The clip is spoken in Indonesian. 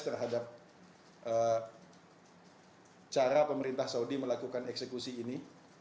terhadap cara pemerintah saudi melakukan eksekusi ini